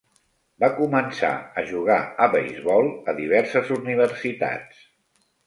Va començar a jugar a beisbol a diverses universitats.